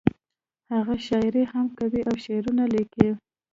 هغه شاعري هم کوي او شعرونه ليکي